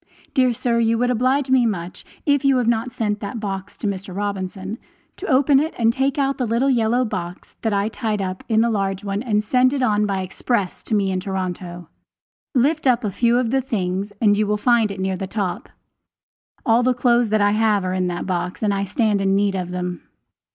Dear sir, you would oblige me much, if you have not sent that box to Mr. Robinson, to open it and take out the little yellow box that I tied up in the large one and send it on by express to me in Toronto. Lift up a few of the things and you will find it near the top. All the clothes that I have are in that box and I stand in need of them.